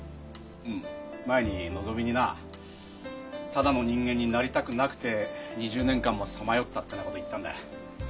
うん前にのぞみにな「ただの人間になりたくなくて２０年間もさまよった」ってなこと言ったんだ。